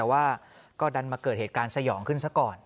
แต่ว่าก็ดันมาเกิดเหตุการณ์สยองขึ้นซะก่อน